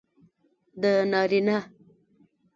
د نارینه